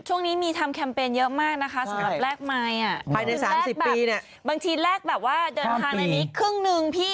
ช่วงนี้มีทำแคมเปญเยอะมากนะคะสำหรับแลกไมค์แรกบางทีแลกแบบว่าเดินทางในนี้ครึ่งหนึ่งพี่